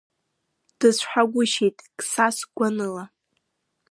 Дыцәҳагәышьеит Қсас гәаныла.